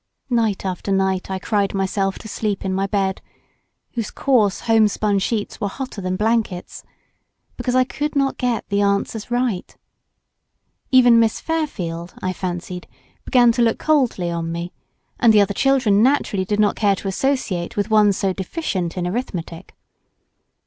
Night after night I cried myself to sleep in my bed—whose coarse home spun sheets were hotter than blankets—because I could not get the answers right. Even Miss Fairfield, I fancied, began to look coldly on me, and the other children naturally did not care to associate with one so deficient in arithmetic.